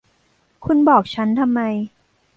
คุณบอกฉันทำไม